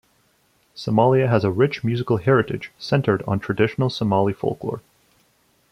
Somalia has a rich musical heritage centered on traditional Somali folklore.